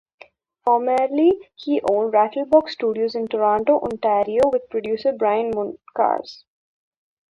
Formerly, he owned Rattlebox Studios in Toronto, Ontario with producer Brian Moncarz.